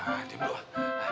ah diam doang